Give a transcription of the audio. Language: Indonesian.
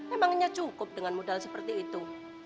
emangnya cukup dengan modal seperti itu